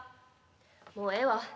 もうええわ。